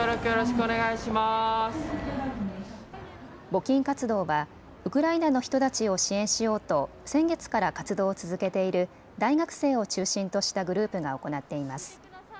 募金活動はウクライナの人たちを支援しようと先月から活動を続けている大学生を中心としたグループが行っています。